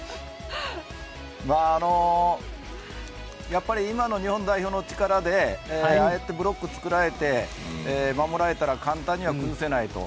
やっぱり今の日本代表の力でああやってブロックを作られて守られたら簡単には崩せないと。